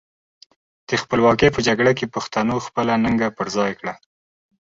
د خپلواکۍ په جګړه کې پښتنو خپله ننګه پر خای کړه.